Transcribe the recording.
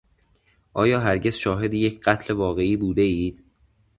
آیا هرگز شاهد یک قتل واقعی بودهاید؟